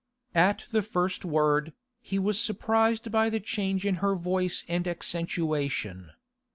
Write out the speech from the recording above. At the first word, he was surprised by the change in her voice and accentuation.